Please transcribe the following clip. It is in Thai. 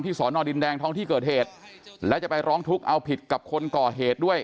สอนอดินแดงท้องที่เกิดเหตุและจะไปร้องทุกข์เอาผิดกับคนก่อเหตุด้วย